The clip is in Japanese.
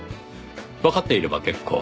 わかっていれば結構。